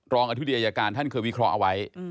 อธิบดีอายการท่านเคยวิเคราะห์เอาไว้